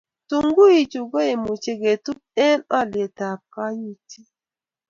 tunguichu ko kemuch ketub eng' ulietab kayutie